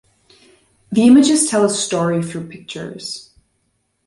The images tell a story through pictures.